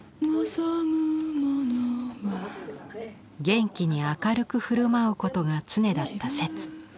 元気に明るく振る舞うことが常だった摂。